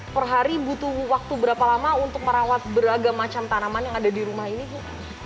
per hari butuh waktu berapa lama untuk merawat beragam macam tanaman yang ada di rumah ini bu